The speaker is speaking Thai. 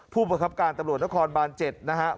ผู้ประคับการตำรวจนครบาน๗นะครับ